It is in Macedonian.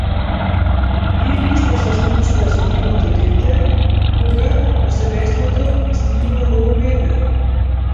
Или што се случува со финото дете кога во семејството стигнува ново бебе.